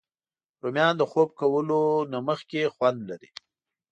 رومیان د خوب کولو نه مخکې خوند لري